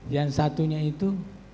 yang satunya itu